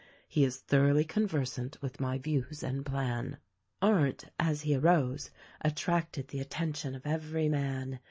He is thoroughly conversant with my views and plan." Arndt, as he arose, attracted the attention of every man.